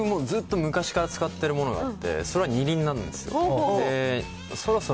僕もずっと昔から使ってるものがあって、それは２輪なんですよ。